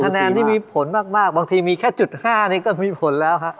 คะแนนที่มีผลมากบางทีมีแค่จุด๕นี่ก็มีผลแล้วฮะ